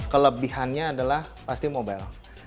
kelebihannya adalah pasti mobile